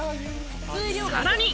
さらに。